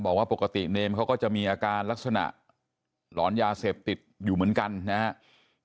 บอกว่าปกติเนมเขาก็จะมีอาการลักษณะหลอนยาเสพติดอยู่เหมือนกันนะครับ